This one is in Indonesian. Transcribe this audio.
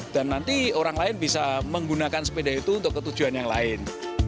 dan nanti orang lain bisa menggunakan sepeda itu untuk ketujuan yang lain